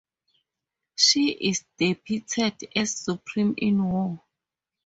She is depicted as "supreme in war".